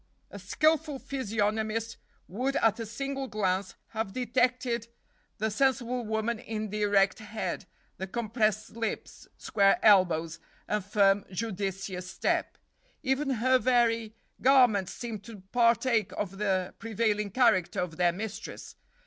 A skilful physiognomist would at a single glance have detected the sensible woman in the erect head, the compressed lips, square elbows, and firm, judicious step. Even her very garments seemed to partake of the prevailing character of their mistress.